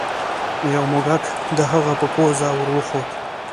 یو موږک د هغه په پوزه ور وخوت.